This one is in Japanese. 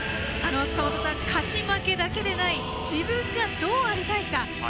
塚本さん、勝ち負けだけではない自分がどうありたいか。